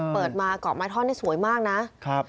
เปิดมาเกาะไม้ท่อนนี่สวยมากนะครับ